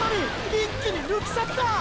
一気に抜き去ったァ！！